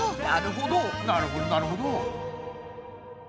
なるほどなるほど！